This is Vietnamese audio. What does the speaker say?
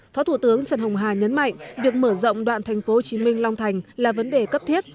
phó thủ tướng trần hồng hà nhấn mạnh việc mở rộng đoạn tp hcm long thành là vấn đề cấp thiết